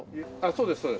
そうですそうです。